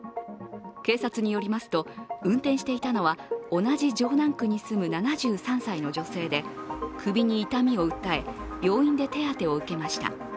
警察によりますと運転していたのは同じ城南区に住む７３歳の女性で首に痛みを訴え、病院で手当を受けました。